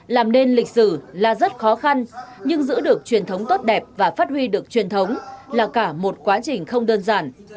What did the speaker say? làm nên lịch sử là rất khó khăn nhưng giữ được truyền thống tốt đẹp và phát huy được truyền thống là cả một quá trình không đơn giản